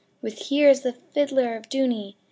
With ' Here is the fiddler of Dooney !